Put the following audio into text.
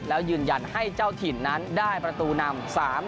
แล้วยืนยันให้เจ้าถิ่นนั้นได้ประตูนำ